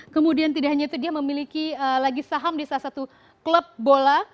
kemudian tidak hanya itu dia memiliki lagi saham di salah satu klub bola